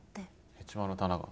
ヘチマの棚が。